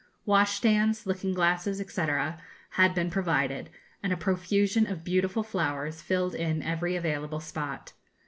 Wash stands, looking glasses, &c., had been provided, and a profusion of beautiful flowers filled in every available spot.